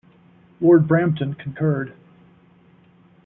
Lord Brampton concurred.